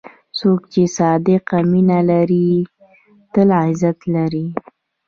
څوک چې صادق مینه لري، تل عزت لري.